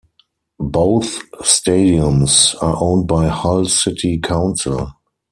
Both stadiums are owned by Hull City Council.